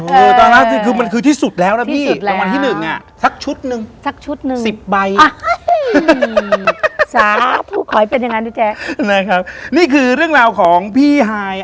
โอ้โฮตอนนั้นมันคือที่สุดแล้วนะพี่